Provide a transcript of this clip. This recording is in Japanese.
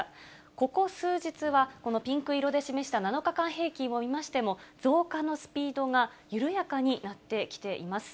ここ数日は、このピンク色で示した７日間平均を見ましても、増加のスピードが緩やかになってきています。